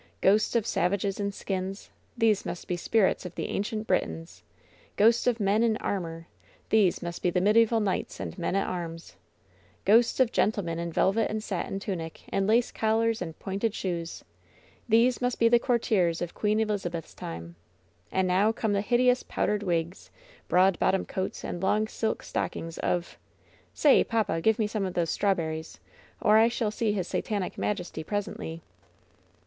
Ghosts of savages in skins ! These must be spirits of the ancient Britons ! Ghosts of men in armor I These must be the medieval knights and men at arms I Ghosts of gentlemen in velvet and satin tunic and lace collars and pointed shoes I These must be the courtiers of Queen Elizabeth's time I And now come the hideous powdered wigs, broad bottomed coats, and long silk stockings of Say, papa ! give me some of those strawberries, or I shall see his Satanic majesty presently."